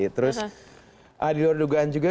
terus di luar dugaan juga